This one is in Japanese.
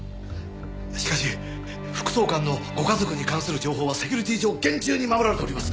しかし副総監のご家族に関する情報はセキュリティー上厳重に守られております。